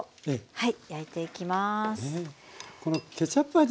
はい。